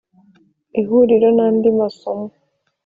ihuriro n’andi masomo